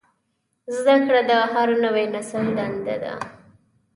زدهکړه د هر نوي نسل دنده ده.